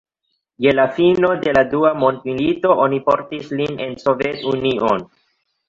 Je la fino de la dua mondmilito oni portis lin en Sovetunion.